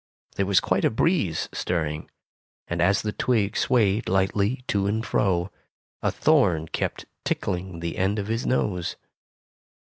There was quite a breeze stirring, and as the twig swayed lightly to and fro, a thorn kept tickling the end of his nose.